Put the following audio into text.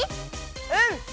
うん！